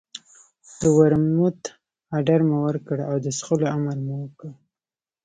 د ورموت اډر مو ورکړ او د څښلو امر مو وکړ.